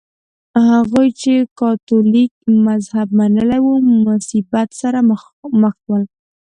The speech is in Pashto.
هغوی چې کاتولیک مذهب منلی و مصیبت سره مخ شول.